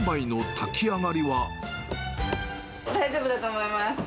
大丈夫だと思います。